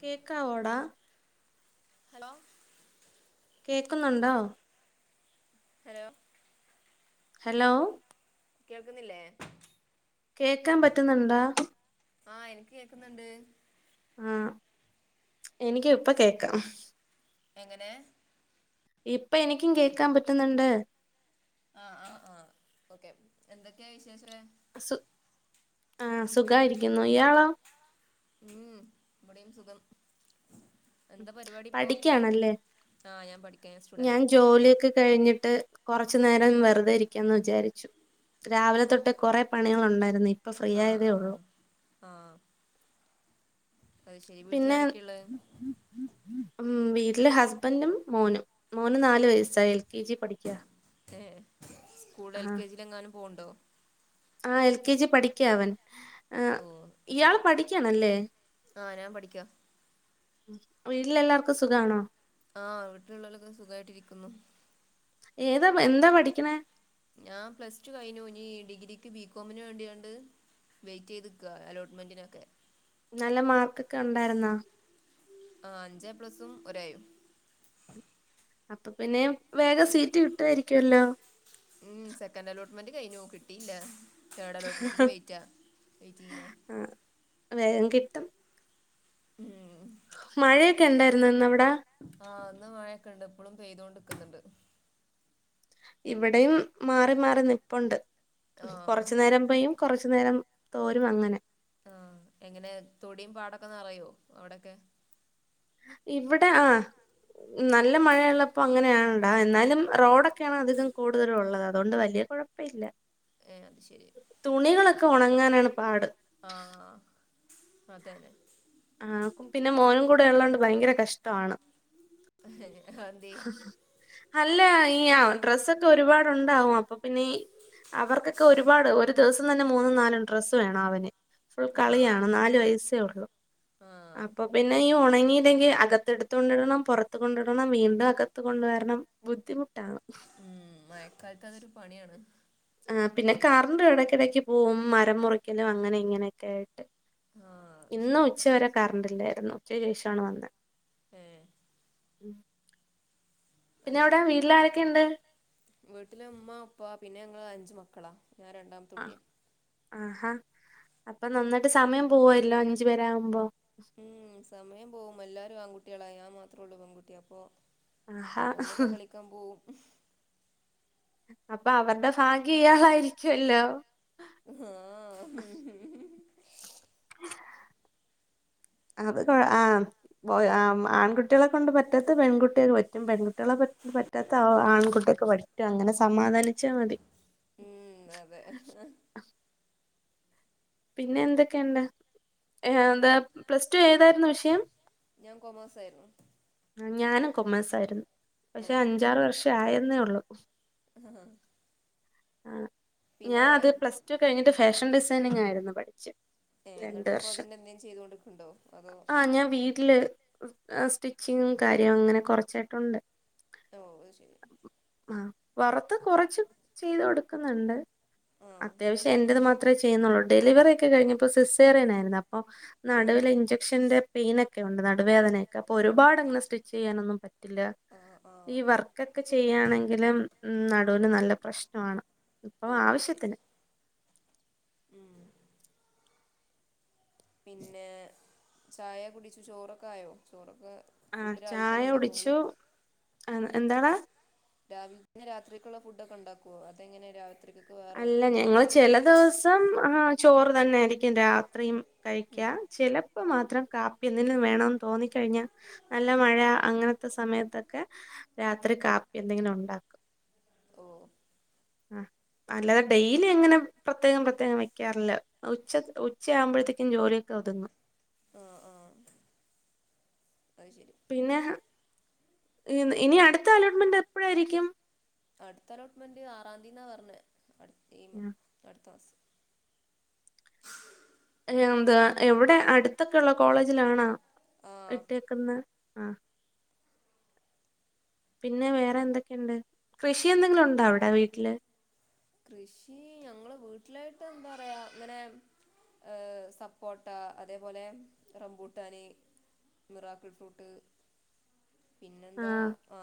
കേക്കാവോടാ? Hello കേക്കുന്നുണ്ടോ? Hello hello കേൾക്കുന്നില്ലേ കേക്കാൻ പറ്റുന്നുണ്ടാ? ആഹ് എനിക്ക് കേക്കുന്നുണ്ട് ആഹ് എനിക്ക് ഇപ്പ കേക്കാം എങ്ങനെ? ഇപ്പൊ എനിക്കും കേക്കാൻ പറ്റുന്നുണ്ട് ആഹഹ് ആഹ് ആഹ് ഓക്കെ എന്തൊക്കെയാ വിശേഷ സു ആഹ് സുഖായിരിക്കുന്നു ഇയാളോ? ഉം ഇവിടെയും സുഖം എന്താ പരിപാടി ഇപ്പോ പഠിക്കാണല്ലേ ആഹ് ഞാൻ പഠിക്കാ ഞാൻ സ്റ്റുഡന്റാ ജോലിയൊക്കെ കഴിഞ്ഞി ട്ട് കൊറച്ചു നേരം വെറുതെ ഇരിക്കാന്ന് വിചാരിച്ചു രാവിലെ തൊട്ട് കൊറേ പണികൾ ഉണ്ടായിരുന്നെ ആഹ് ആഹ് ആഹ് അത് ശെരി പിന്നെ വീട്ടിലാരൊക്കെയുള്ളെ? ട്ടില് ഹസ്ബന്റും മോനും മോന് നാലു വയസ്സായി എൽ കെ ജി പഠിക്കാ ഏ സ്കൂൾ ആ എൽ കെ ജിൽ എങ്ങാനും പോവുണ്ടോ? ആ എൽ കെ ജി പഠിക്കാ അവൻ ആ ഓഹ് അത് ഇയാള് ശരി പഠിക്കാണല്ലേ? ആഹ് ഞാൻ പഠിക്കാ വീട്ടിലെല്ലാർക്കും സുഖാണോ? ആഹ് വീട്ടിലുള്ളവരൊക്കെ സുഖായിട്ടിരിക്കുന്നു ഏതാ എന്താ പഠിക്കണേ? ഞാൻ പ്ലസ് ടു കഴിഞ്ഞു ഇനി ഡിഗ്രിക്ക് ബികോമിന് വേണ്ടിയുണ്ട് വെയിറ്റ് ചെയ്ത്ക്ക അലോട്ട്മെന്റിനൊക്കെ നല്ല മാർക്കൊക്കെ ഉണ്ടായിരുന്നാ? ആ അഞ്ച് എ പ്ലസും ഒരേയും അപ്പൊ പിന്നെ വേഗം സീറ്റ് കിട്ടുവായിരിക്കല്ലോ ഉം സെക്കൻ് അലോട്ട്മെന്റ് കഴിഞ്ഞു കിട്ടിയില്ല തർഡ് അലോട്ട്മെന്റിന് വെയിറ്റ് വെയ്റ്റിംഗില ആഹ് വേഗം കിട്ടും. ഉം മഴയൊക്കെ ഉണ്ടായിരുന്നോ ഇന്നവിടെ? ആ അന്ന് മഴയൊക്കെ ഇണ്ട് എപ്പഴും പെയ്തൊണ്ട് ഇവിടെയും മാറി മാറി നിപ്പുണ്ട് ആ കൊറച്ചു നേരം പെയ്യും കുറച്ചു നേരം തോരും അങ്ങനെ ആഹ എങ്ങനെ തൊടിയും പാടൊക്കെന്ന് നിറയോ അവിടൊക്കെ ഇവിടെ ആ നല്ല മഴയുള്ളപ്പോ അങ്ങനെയ ആണണ്ടാ എന്നാലും റോഡൊക്കെയാണ് അധികം കൂടുതലും ഉള്ളത് അതുകൊണ്ട് വലിയ കുഴപ്പമില്ല ഏ അത് ശരി തുണികളൊക്കെ ഉണങ്ങാനാണ് പാട് ആ അതന്നെ ആ പിന്നെ മോനും കൂടെ ഉള്ളതോണ്ട് ഭയങ്കര കഷ്ടമാണ് ഉ അല്ല ഈ ആ ഡ്രെസ്സൊക്കെ ഒരുപാടുണ്ടാവും അപ്പൊ പിന്നെ അവർക്കൊക്കെ ഒരുപാട് ഒരു ദിവസം തന്നെ മൂന്നും നാലും ഡ്രസ്സ് വേണം അവന് ഫുൾ ആ കളിയാണ് നാലു വയസ്സേ ഉള്ളു ആ അപ്പൊ പിന്നെ ഈ ഉണങ്ങില്ലെങ്കിൽ അകത്തെടുത്തുക കൊണ്ടിടണം പുറത്ത കൊണ്ടിടണം വീണ്ടും അകത്ത കൊണ്ടുവരണം ബുദ്ധിമുട്ട് ഉം മയക്കാലത്ത് അതൊരു പണിയാണ് ആ പിന്നെ കറണ്ട് ഇടയ്ക്കിടയ്ക്ക് പോകും മരം മുറിക്കലും അങ്ങനെ ഇങ്ങനെയൊക്കെ് ആ അത് ഇന്ന് ശരി ഉച്ച വരെ കറണ്ടില്ലായിരുന്നു ഉച്ചയ് ശേഷാണ് വന്നേ ഏ ഉം അത് ശരി വീട്ടിലെ ഉമ്മ ഉപ്പ പിന്നെ ഞങ്ങള് അഞ്ചു മക്കളാ ഞാൻ രണ്ടാമത്തെട്ടിയാ ആഹാ അപ്പൊ നന്നിട്ട് സമയം പോവല്ലോ അഞ്ചു പേരെ ആകുമ്പോ ഉം സമയം പോകും എല്ലാരും ആൺകുട്ടികളാ ഞാൻ മാത്രേള്ളൂ പെൺകുട്ടിയ അപ്പൊ ആഹാ ഓലൊക്കെ കളിക്കാൻ പോവും അപ്പൊ അവരുടെ ഭാഗ്യ ഇയാളായിരിക്കുവല്ലോ ആഹ ഹ ഹ അത് ആ് ആൺകുട്ടികളെ കൊണ്ട് പറ്റാത്ത പെൺകുട്ടികൾ പറ്റും പെൺകുട്ടികളെ പറ്റ പറ്റാത്ത ആൺകുട്ടിയൊക്കെ പറ്റും അങ്ങനെ സമാധാനിച്ചാൽ മതി ഉം അതെ പിന്നെ എന്തൊക്കെയുണ്ട് ഏ പിന്നെ എന്താ പ്ലസ് ടു ഏതായിരുന്നു വിഷയം ഞാൻ കൊമേഴ്സ ആയിരുന്നു ഞാനും കൊമേഴ്സ ആയിരുന്നു ഓ പക്ഷെ അഞ്ചാറ് വർഷം ആയെന്നേ ഉള്ള ആഹ ആ ഞാൻ അത് പ്ലസ് ടു കഴിഞ്ഞിട്ട് ഫാഷൻ ഡിസൈനിങ് ആയിരുന്നു പഠിച്ചത് ഏ എന്നിട്ട് ഇപ്പോ അതിന്റെ എന്തേും ചെയ്ത കൊണ്ട് നിക്കണ്ടോ അതോ ആഹ് ഞാൻ വീട്ടില് സ്റ്റിച്ചിങ്ങും കാര്യവും അങ്ങനെ കൊറച്ചായിട്ടുണ്ട് ഓ ശരി വറുത്ത് കുറച്ച് ചെയ്ത് കൊടുക്കുന്നുണ്ട് ആഹ് അത്യാവശ്യം എന്റത് മാത്ര അത്രേ ചെയ്യുന്നുള്ളൂ ഡെലിവറി ഒക്കെ കഴിഞ്ഞപ്പോ സിസ്സേറിയൻ ആയിരുന്നു അപ്പൊ ഏഹ് നടുവിലെ ഇഞ്ചക്ഷന്റെ പെയിനൊക്കെ ഉണ്ട് നടുവേദനൊക്കെ അപ്പൊ ഒരുപാട് അങ്ങനെ സ്റ്റിച്ച് ചെയ്യാനൊന്നും പറ്റില്ല ആഹ് ഈ ആഹ് വർക്കൊക്കെ ചെയ്യാണെങ്കിലും ഉ നടുവിന് നല്ല പ്രശ്നമാണ് ഇപ്പൊ ഓ അത് ശരി ആവശ്യത്തിന് ഉം പിന്നെ ചായ കുടിച്ചു ചോറൊക്കെ ആയോ ചോറൊക്കെ ആ ഫുഡ് രാവിലെ ചായ തന്നെ ഉണ്ടാക്കോ ഇങ്ങള് ഒടിച്ചു ആ എന്താണ് രാവില രാത്രിക്കുള്ള ഫുഡ് ഒക്കെ ഉണ്ടാക്കുവോ അതെങ്ങനെ രാത്രിക്ക് അല്ല ഞങ്ങൾ ചെില ദിവസം ആഹ ചോറ് തന്നൊയിരിക്കും രാത്രിയും കഴിക്കാ ഉം ചിലപ്പ് മാത്രം രാത്രി കാപ്പിയെന്തേലും വേണംന്ന് തോന്നിക്കഴിഞ്ഞാൽ നല്ല മഴ അങ്ങനത്തെ സമയത്തൊക്കെ? രാത്രി കാപ്പി എന്തെങ്കും ഉണ്ടാക്കും. ഓ ആ! അല്ലാതെ ഡെയിലി അങ്ങനെ പ്രത്യേകം പ്രത്യേകം വെക്കാറില്ല. ഉച്ച ഉച്ചയാവ്! ഓ! തിന്നു. ആഹ് ആഹ് അത് ശരി പിന്നെ ഇനി അടുത്ത അലോട്ട്മെന്റ് എപ്പഴായിരിക്കും? അടുത്ത അലോട്ട്മെന്റ് ആറാം തീയതിന്നാ പറഞ്ഞെ. അടുത്ത ഉം. അടുത്ത മാസം. എന്താ ഇവിടെ അടുത്തൊക്കെയള്ള കോളേജിലാണാ ആഹ് ഇട്ടേക്ന്ന് ആ! പിന്നെ വേറെ എന്തൊക്കെയുണ്ട്? കൃഷി എന്തെങ്കിലും ഉണ്ടോ? അവിടെ വീട്ടില് കൃഷി ഞങ്ങെ വീട്ട! [unintelligible] അങ്ങനെ സപ്പോട്ട അതേ പോലെ റംബൂട്ടാനി! Miracle fruit. ആ പിന്നെന്താ? ആ!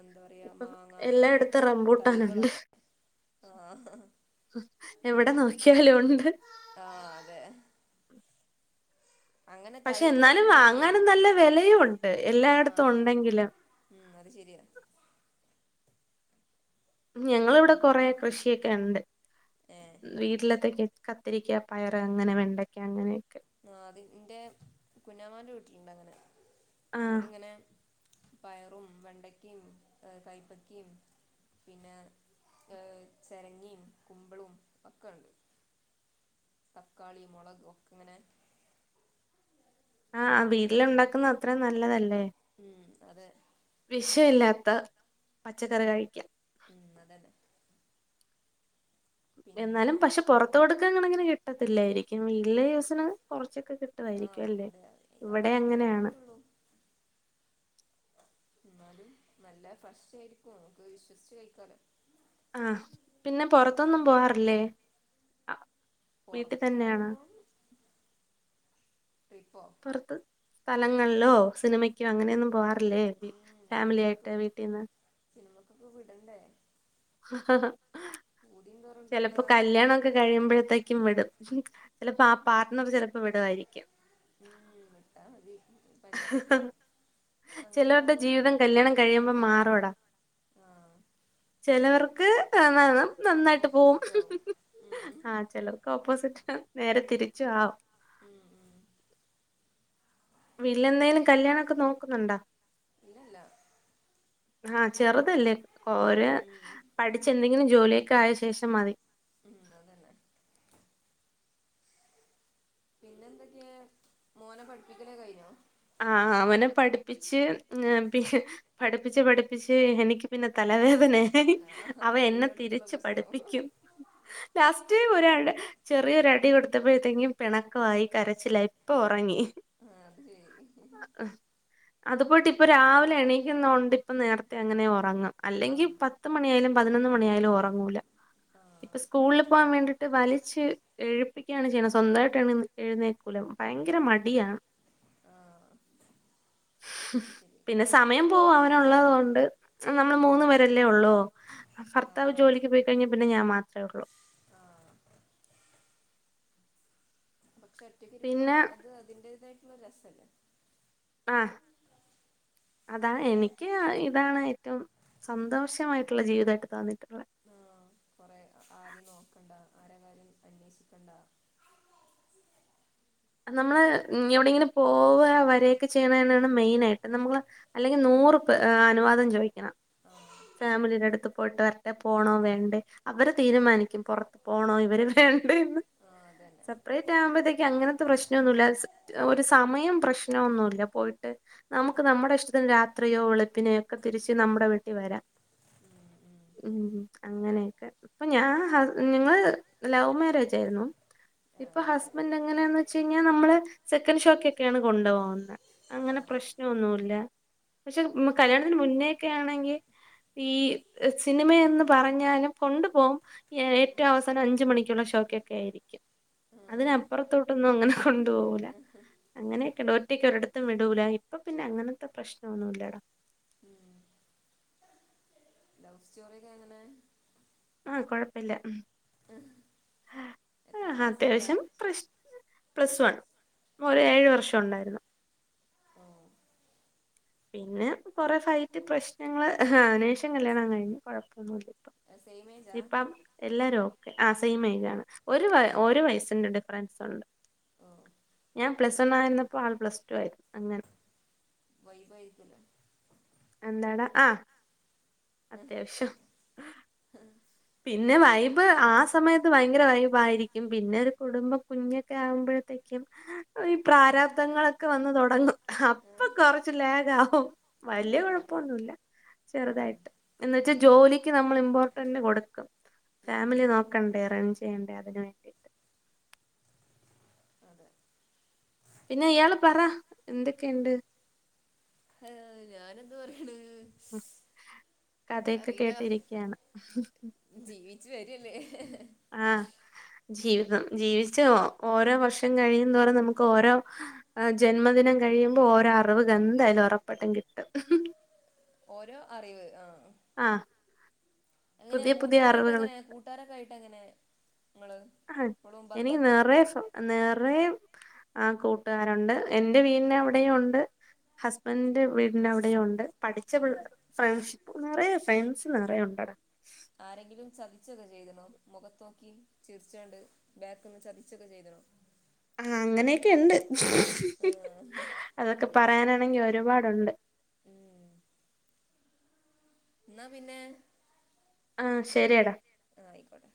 എന്താ പറയാ ഇപ്പം മാങ്ങ എല്ലായിടത്തും അങ്ങനെയൊക്കെ റംബൂട്ടാനുണ്ട് തൈകളൊക്കെ. ആ എവിടെ നോക്കിയാലും ഉണ്ട് ആ! അതെ! അങ്ങനെ പക്ഷെ തൈകൾ എന്നാലും അങ്ങനെയൊക്കെ വാങ്ങാനും ഉണ്ട് നല്ല വെലയും ഉണ്ട്. ആ എല്ലായിടത്തും അതാ ഉണ്ടെങ്കിലും. ഉം അത് ശരിയ [unintelligible] ഉം ഞങ്ങളിവിടെ കൊറെ കൃഷിയൊക്കെ ഉണ്ട്. ഏ വീട്ടിലത്തേക്ക്. കത്തിരിക്ക പയറ് അങ്ങനെ വെണ്ടയ്ക്ക അങ്ങനെ! ആ അത് എൻ്റെ [unintelligible] ആഹ് പയറും വെണ്ടക്കയും കൈപ്പക്കയും! പിന്നെ ചിരങ്ങിയും കുമ്പളും ഒക്കെ ഉണ്ട്. തക്കാളി മുളക് ഒക്കെ ഇങ്ങനെ! ആഹ് ആ വീട്ടിലുണ്ടാക്കുന്നത് അത്രയും നല്ലതല്ലേ! ഉം അതെ വിഷമില്ലാത്ത പച്ചക്കറി കഴിക്കാം. ഉം അതന്നെ പിന്നെ എന്നാലും പക്ഷെ പുറത്ത് കൊടുക്കുന്ന കണക്കിന് കിട്ടത്തില്ലായിരിക്കും. വീട്ടിലെ യൂസിന് കൊറച്ചൊക്കെ കിട്ടുവായിരിക്കും ആഹ് അല്ലേ? അതെ ഇവിടെ അതിനൊക്കെ തന്നെ അങ്ങിനെയാണ്. കിട്ടുള്ളൂ [unintelligible] എന്നാലും നല്ല ഫ്രഷ് വെജിറ്റബിൾ ആയിരിക്കും. നമ്മുക്ക് വിശ്വസിച്ച്ച് കഴിക്കാലോ. ആഹ്! പിന്നെ പുറത്തൊന്നും പോവാറില്ലേ? വീട്ടിൽ തന്നെയാണോ പുറത്തെന്നു പറയുമ്പോൾ പുറത്ത് സ്ഥലങ്ങളിലോ സിനിമയ്ക്കോ അങ്ങനെയൊന്നും പോവാറ! അല്ലേ! ഉം ഫാമിലി ആയിട്ട് വീട്ടീന്ന്! ഇവിടെ വിടണ്ടേ? പൂതിയും ചിലപ്പോ തോറണ്ടെന്താ കല്യാണമൊക്കെ കഴിയുമ്പോഴത്തേക്കും വിടും. ചെലപ്പോ ആ പാർട്ണർ പെലപ്പോ വിടുവായിരിക്കും. ഉം [unintelligible] അങ്ങനെ ചെലരുടെ പറഞ്ഞ് ജീവിതം കല്യാണം കഴിയുമ്പം മാറുമെടാ! ആഹ് ചെലവർക്ക് കാണണം നന്നായി! ഓ ഓപ്പോസിറ്റ് ആവും ഉം ആഹ്ചിലർക്ക് ഓപ്പോസിറ്റ്. നേരെ തിരിച്ചു ആവും. ഉം ഉം [unintelligible] വീട്ടിലെന്തേലും കല്യാണൊക്കെ നോക്കുന്നുണ്ടോ? ഇല്ലല്ല ആഹ്! ചെറുതല്ലേ ഉം പഠിച്ച് ന്തെങ്കിലും ജോലി! ഒക്കെ ആയ ശേഷം മതി! ഉം! അതന്നെ! പിന്നെന്തൊക്കെയ? മോനെ പഠിപ്പിക്കലേ കഴിഞ്ഞോ? ആ അവനെ പഠിപ്പിച്ച് പി പഠിപ്പിച്ച് പഠിപ്പിച്ച് എനിക്ക് പിന്നെ തലവേദ ന്നെ ആഹ് അത് അവനെന്നെ എല്ലായിടത്തുള്ള തിരിച്ച് പ്രശ്നം പഠിപ്പിക്കും ലാസ് റ്റീ പൊരാണ്ട് ചെറിയൊരടി കൊടുത്തപ്പോഴേക്കും പിണക്കമായി കരച്ചിലായി, ഇപ്പം ഒറങ്ങി. ആ അത്ശരി. അതുപോയിട്ടിപ്പ രാവിലെ എണീക്കുന്ന കൊണ്ട് ഇപ്പം നേരത്തെ അങ്ങനെ ഒറങ്ങാ. അല്ലെങ്കി ആഹ് പത്ത് മണിയായാലും പതിനൊന്ന് മണിയായാലും ഒറങ്ങൂല. ഇപ്പൊ ആഹ് സ്കൂളില് പോകാൻ വേണ്ടിയിട്ട് വലിച്ച് എഴുപ്പിക്കുകയാണ് ചെയ്യണ സ്വന്തവായിട്ട് എണി എഴുന്നേക്കുല. ഭയങ്കര മടിയാ. ആഹ് അത് ശരി പിന്നെ സമയം പോവും അവനൊള്ളത് കൊണ്ട് നമ്മള് ഉം മൂന്ന് പേരല്ലേ ഒള്ളൂ ആഹ് ഭർത്താവ് ആഹ് ജോലിക്ക് പോയി കഴിഞ്ഞാ പിന്നെ ഞാൻ മാത്രേ ഒള്ളു. ആഹ് ക്ഷെ ഒറ്റക്കിരിക്കുണം പിന്നെ അത് അതിന്റേതായിട്ടുള്ള രസല്ലേ? ആ അതാണ്, എനിക്ക് ഇതാണ് ഏറ്റവും സന്തോഷമായിട്ടുള്ള ജീവിതമായിട്ട് തോന്നിട്ടുള്ള ആ കൊറെ, ആരേം നോക്കണ്ട ആരെ കാര്യോം അന്വേഷിക്കണ്ട [inaudible] [inaudible] നമ്മള് എവിടെങ്കിലും പോവ്വ വര്യക്കെ ചെയ്യണെനാണ് മെയിനായിട്ട്, നമ്മള് അല്ലെങ്കി നോ നൂറ്പ്പ് അ അനുവാദം ചോദിക്കണം. ആഹ് ഫാമിലിടെ അടുത്ത് പോയിട്ട് വരട്ടെ പോണോ വേണ്ടേ അവര് തീരുമാനിക്കും പുറത്ത് പോണോ ഇവര്, വേണ്ട ണ്ടെന്നു. ആഹ് അതന്നെ സെപ്പറേറ്റ് ആവുമ്പത്തേ ക്ക് അങ്ങനത്തെ പ്രശ്നമൊന്നില്ല ഒരു സമയം പ്രശ്നമൊന്നുമല്ല പോയിട്ട് നമുക്ക് നമ്മടെ ഇഷ്ടത്തി നു രാത്രിയോ വെളുപ്പിനെയോ ഒക്കെ തിരിച്ച് നമ്മുടെ വീട്ടിൽ വരാം. ഉം അങ്ങനെയൊക്കെ അപ്പൊ ഞാൻ ങ്ങള് ലവ് മാരേജായിരുന്നോ? ആഹ് ഇപ്പൊ അത് ശരി ഹസ്ബൻറ് എങ്ങനെയന്ന് വെച്ച കഴിഞ്ഞാൽ നമ്മളെ സെക്കൻ് ഷോക്കക്കെയാണ് കൊണ്ടു പോകുന്നെ അങ്ങനെ ആഹ് പ്രശ്നമൊന്നുവില്ല പക്ഷെ മ് കല്യാണത്തിന് മുന്നേക്കെ ആണെങ്കിൽ ഈ സിനിമ എന്ന് പറഞ്ഞാലും കൊണ്ടു പോകും ഉം ഏറ്റവും അവസാനം അഞ്ചു മണിക്ക് ക്കുള്ള ഷോക്കൊക്കെ ആയിരിക്കും ആഹ് അതിനപ്പുറത്തോട്ടൊന്നും അങ്ങനെ കൊണ്ട് ണ്ടുപോവൂല അങ്ങനെയൊക്കെണ്ട് ഒറ്റക്കൊരിടത് ത്തും വിടൂല. ഇപ്പ പിന്നെ അങ്ങനത്തെ പ്രശ്നം ഒന്നുവില്ലടാ. ഉം ലവ് സ്റ്റോറിയൊക്കെ എങ്ങനെ? [inaudible] ആ കൊഴപ്പില്ല, ആ എത്രാം ക്ലാസ് മുതലാ അത്യാവശ്യം പ്രശ് പ്ലസ് വൺ, ഒരേഴ് ഓ വർഷം ഉണ്ടായിരുന്നു. ഓ പിന്നെ കൊറെ ഫൈറ്റ് പ്രശ്നങ്ങള് അയിനേഷം കല്യാണം കഴിഞ്ഞ്, കൊഴപ്പൊന്നുമില്ല. സെയിം ഏജാ ഇപ്പം എല്ലാര്വോ? ആ സെയിം ഏജ് ആണ് ഒരു വയ ഓ ഒരു വയസ്സിന്റെ ഡിഫറൻസ് ഉണ്ട്. ഓ ഞാൻ ഓ പ്ലസ് വൺ ആയിരുന്നപ്പോ ആൾ പ്ലസ് ടു ആയിരുന്നു അങ്ങനെ. വൈബയിരിക്കല്ലേ? എന്താടാ ആ ഉം അത്യാവശ്യം. പിന്നെ വൈബ് ആ സമയത്ത് ഭയങ്കര വൈബായിരിക്കും പിന്നെ ഒരു കുടുംബ കുഞ്ഞൊക്കെ ആകുമ്പോഴത്തേ ക്കും ഈ പ്രാരാബ്ദങ്ങളൊക്കെ വന്ന് തൊടങ്ങും അപ്പ കൊറച്ച് ലാഗ് ആകും. വല്ല്യ ഉം കുഴപ്പൊന്നുമില്ല ചെറുതായിട്ട് എന്ന്വച്ചാ ജോലിക്ക് നമ്മൾ ഇമ്പോർട്ടന്റ് കൊടുക്ക ഉം ഫാമിലി നോക്കണ്ടേ അറേഞ്ച് ചെയ്യണ്ടേ അതിന് വേണ്ടിട്ട്. അതെ. പിന്നെ ഇയാള് പറ എന്തൊക്കെയുണ്ട്? ഏ ഞാനെന്ത് പറയണ്. എന്താ കഥയൊക്കെ അറിയില്ല കേട്ടിരിക്കയാണ്. ജീവിച്ചു വര്വല്ലേ. ആഹ് ജീവിതം ജീവിച്ച് ഓരോ വർഷം കഴിയുന്തോറും നമുക്ക് ഓരോ ജന്മദിനം കഴ ഴിയുമ്പോ ഓരോ അറിവുകെന്തായാലും ഒറപ്പായിട്ടും കിട്ടും. ഓരോ അറിവ് ആ ആഹ് എങ്ങനെയാ പുതിയ പുതിയ കൂട്ടാരൊക്കെ അറിവുകൾ എങ്ങനെയാ, കൂട്ടാരൊക്കെ ആയിട്ട് എങ്ങനെ? നിങ്ങള് ആ ഇപ്പളും ഇനി ബന്ധൊക്കെ ഉണ്ടോ നിറെ സൊ നിറെ ആ കൂട്ടാരുണ്ട്, എൻ്റെ വീടിനവിടെയു ഉണ്ട്. ഹസ്ബൻ്റിന്റെ വീടിന്നവിടെയുണ്ട്. പഠിച്ച പ് ആഹ് ഫ്രണ്ട്ഷിപ്പ് നിറയെ ഫ്രണ്ട്സ് നെറയുണ്ടെടാ. ആരെങ്കിലും ചതിച്ചൊക്കെ ചെയ്ത്ണോ? മുഖത്തോക്കി ചിരിച്ചാണ്ട് ബാക്ക്ന്ന് ചതിച്ചൊക്കെ ചെയ്ത് ആ അങ്ങനെയൊക്കെ ണ്ട്ഹ് ഹ് ഉം അതൊക്കെ പറയാന ണെങ്കിൽ ഒരുപാടുണ്ട്. ഉം. ഇന്നാ പിന്നെ ആ ശരിയടാ. ആഹ് ആയിക്കോട്ടെ